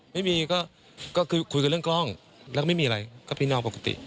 ไม่มีก็คือคุยกันเรื่องกล้องแล้วก็ไม่มีอะไรก็พี่น้องปกติ